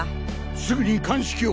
すぐに鑑識を！